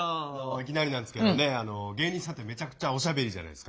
いきなりなんですけどねあの芸人さんってめちゃくちゃおしゃべりじゃないですか。